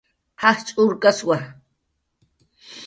Jajch' urkaswa